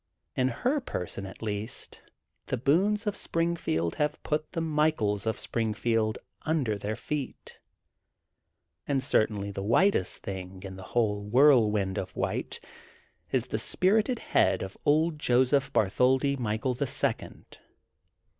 In her person at least, the Boones of Springfield have put the Michaels of Springfield under their feet. And certainly the whitest thing in the whole whirlwind of THE GOLDEN BOOK OF SPRINGFIELD 278 white is the spirited head of old Joseph Bartholdi Michael, the Second.